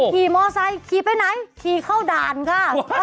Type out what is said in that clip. ขี่มอไซค์ขี่ไปไหนขี่เข้าด่านค่ะ